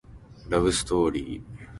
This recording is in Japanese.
ラブストーリー